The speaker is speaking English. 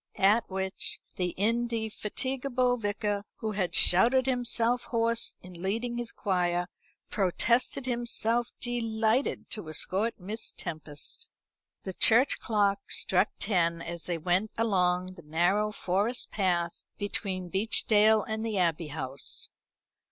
At which the indefatigable Vicar, who had shouted himself hoarse in leading his choir, protested himself delighted to escort Miss Tempest. The church clock struck ten as they went along the narrow forest path between Beechdale and the Abbey House.